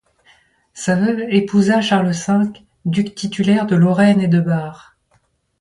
Sa veuve épousa Charles V, duc titulaire de Lorraine et de Bar.